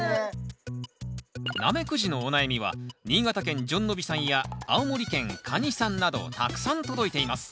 ナメクジのお悩みは新潟県じょんのびさんや青森県かにさんなどたくさん届いています。